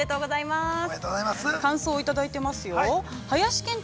番組の感想をいただいています。